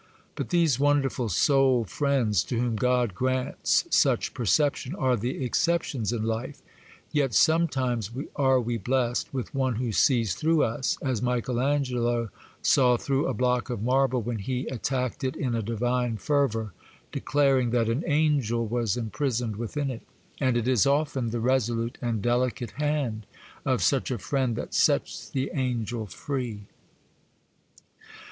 But these wonderful soul friends, to whom God grants such perception, are the exceptions in life; yet, sometimes are we blessed with one who sees through us, as Michel Angelo saw through a block of marble when he attacked it in a divine fervour, declaring that an angel was imprisoned within it: and it is often the resolute and delicate hand of such a friend that sets the angel free.